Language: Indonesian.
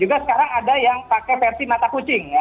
juga sekarang ada yang pakai versi mata kucing ya